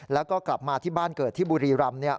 แล้วก็กลับมาที่บ้านเกิดที่บุรีรำเนี่ย